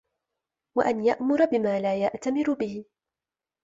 وَأَنْ يَأْمُرَ بِمَا لَا يَأْتَمِرُ بِهِ